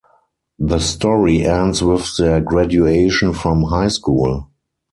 The story ends with their graduation from high school.